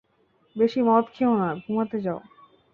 বেশি মদ খেও না, ঘুমাতে যাও।